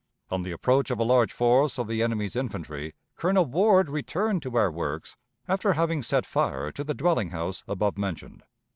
On the approach of a large force of the enemy's infantry, Colonel Ward returned to our works, after having set fire to the dwelling house above mentioned.